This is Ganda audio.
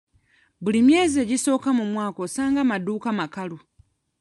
Buli myezi egisooka mu mwaka osanga amaduuka makalu.